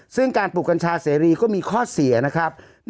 ซึ่งการปลูกกัญชาเสรีก็มีข้อเสียนะครับ